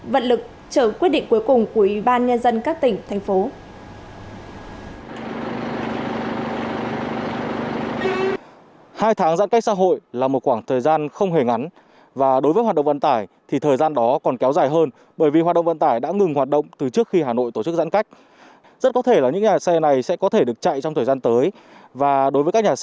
vận lực chờ quyết định cuối cùng của ủy ban nhân dân các tỉnh thành phố